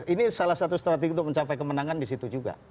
ini salah satu strategi untuk mencapai kemenangan di situ juga